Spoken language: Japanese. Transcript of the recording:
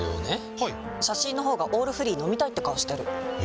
はい写真の方が「オールフリー」飲みたいって顔してるえ？